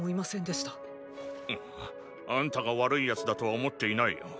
あんたが悪い奴だとは思っていないよ。